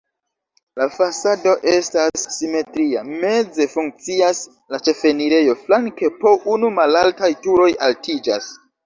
La fasado estas simetria, meze funkcias la ĉefenirejo, flanke po unu malaltaj turoj altiĝas.